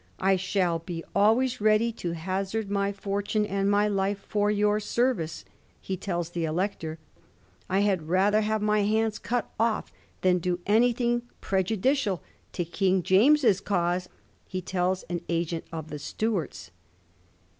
^ I shall be always ready to hazard my for tune and my life for your service,' he tells the Elector. * I had rather have my hands cut off than do anything prejudicial to King James's cause,' he tells an agent of the Stuarts.